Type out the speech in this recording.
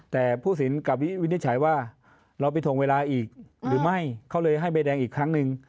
แต่ผู้สินกลับวินิจฉัยว่าเราไปถงเวลาอีกหรือไม่เขาเลยให้ใบแดงอีกครั้งหนึ่ง